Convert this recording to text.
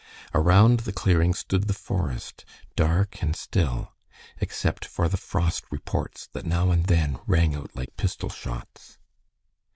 Around the clearing stood the forest, dark and still, except for the frost reports that now and then rang out like pistol shots.